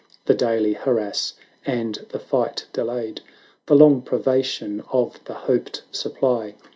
The daily harass, and the fight delayed. The long privation of the hoped supply.